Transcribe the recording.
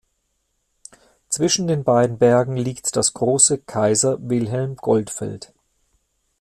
Zwischen den beiden Bergen liegt das große „Kaiser Wilhelm-Goldfeld“.